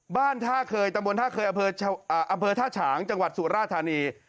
บ้านท่าเคยตำบลท่าเคยอำเภอท่าฉางจังหวัดสุราธานี